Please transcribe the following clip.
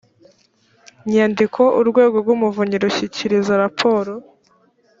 nyandiko urwego rw umuvunyi rushyikiriza raporo